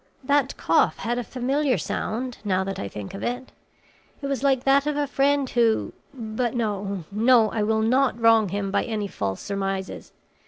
"That cough had a familiar sound, now that I think of it. It was like that of a friend who But no, no; I will not wrong him by any false surmises.